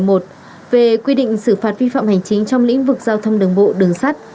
theo quy định tại khoản ba điều một mươi một về quy định xử phạt vi phạm hành chính trong lĩnh vực giao thông đường bộ đường sắt